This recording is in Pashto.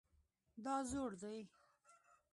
دا زوړ دی